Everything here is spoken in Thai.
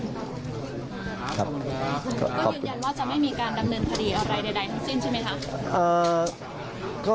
ผู้ยืนยันว่าจะไม่มีการดับเลือนพฤติอะไรใดทั้งสิ้นใช่ไหมครับ